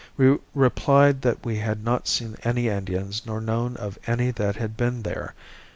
We replied that we had not seen any Indians nor known of any that had been there.